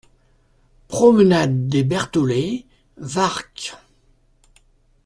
Promenade des Bertholet, Warcq